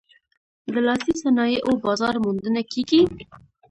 د لاسي صنایعو بازار موندنه کیږي؟